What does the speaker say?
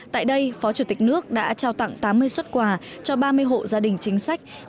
tại đây phó chủ tịch nước đã trao tặng tám mươi xuất quà cho ba mươi hộ gia đình chính sách